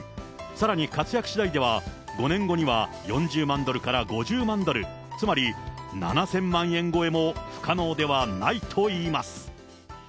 さらに活躍しだいでは、５年後には４０万ドルから５０万ドル、つまり７０００万円超えも不可能ではないといいます。